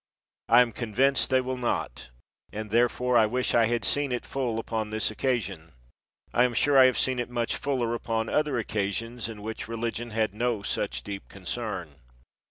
I am convinced they will not; and therefore I wish I had seen it full upon this occasion. I am sure I have seen it much fuller upon other occasions, in which religion had no such deep concern.